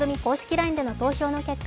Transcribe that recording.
ＬＩＮＥでの投票の結果